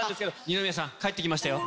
二宮さん帰って来ましたよ